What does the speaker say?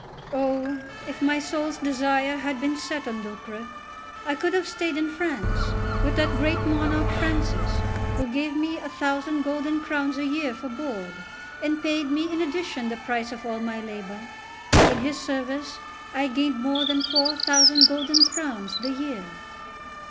Oh, if my soul's desire had been set on lucre, I could have stayed in France, with that great monarch Francis, who gave me a thousand golden crowns a year for board, and paid me in addition the price of all my labour. In his service I gained more than four thousand golden crowns the year."